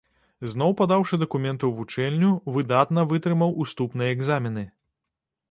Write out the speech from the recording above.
Зноў падаўшы дакументы ў вучэльню, выдатна вытрымаў уступныя экзамены.